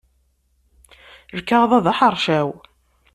Lkaɣeḍ-a d aḥercaw.